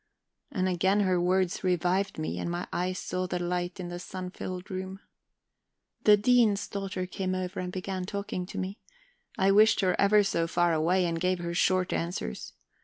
And again her words revived me, and my eyes saw the light in the sun filled room. The Dean's daughter came over, and began talking to me; I wished her ever so far away, and gave her short answers.